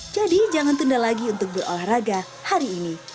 jadi jangan tunda lagi untuk berolahraga hari ini